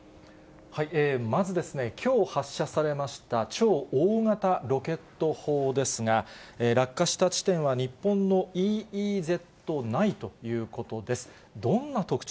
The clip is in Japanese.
まずですね、きょう発射されました超大型ロケット砲ですが、落下した地点は日本のＥＥＺ内ということです。